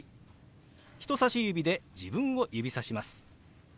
人さし指で自分を指さします。